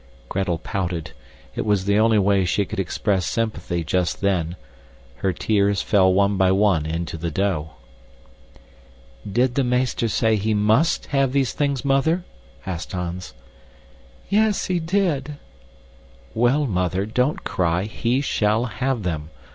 Gretel pouted. It was the only way she could express sympathy just then. Her tears fell one by one into the dough. "Did the meester say he MUST have these things, Mother?" asked Hans. "Yes, he did." "Well, Mother, don't cry, HE SHALL HAVE THEM.